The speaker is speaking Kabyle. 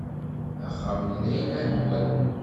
Axxam-nni d ayla-nwen.